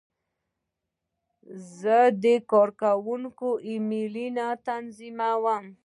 زه د کارکوونکو ایمیلونه تنظیموم.